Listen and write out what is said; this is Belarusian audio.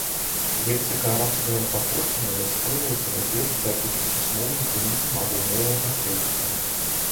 Лексіка арабскага паходжання засвойваецца найперш дзякуючы пісьмовым крыніцам або мовам-пасрэднікам.